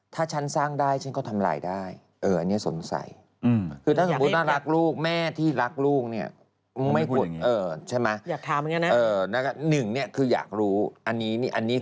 ก็ใช้เงินของหลักวันนี้